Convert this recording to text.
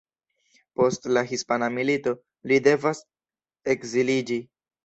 Post la hispana milito, li devas ekziliĝi.